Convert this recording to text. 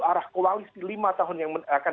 arah koalisi lima tahun yang akan